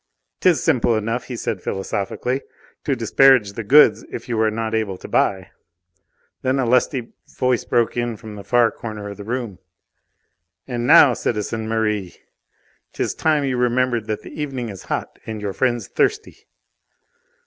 "'Tis simple enough," he said philosophically, "to disparage the goods if you are not able to buy." Then a lusty voice broke in from the far corner of the room: "And now, citizen Merri, 'tis time you remembered that the evening is hot and your friends thirsty!"